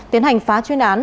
tiến hành phá chuyên án